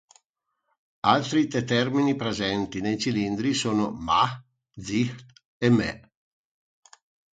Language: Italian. Altri tre termini presenti nei cilindri sono "Mah", "Zi-d" e "Me".